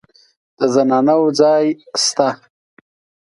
د زنانه وو ځای شته.